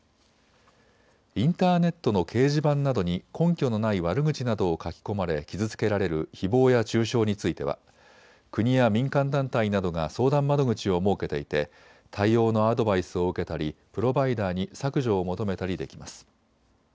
インターネットの掲示板などに根拠のない悪口などを書き込まれ傷つけられるひぼうや中傷については国や民間団体などが相談窓口を設けていて対応のアドバイスを受けたりプロバイダーに削除を求めたりできます。